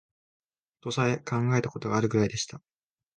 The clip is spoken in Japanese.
とさえ考えた事があるくらいでした